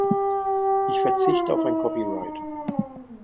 Ich verzichte auf ein Copyright.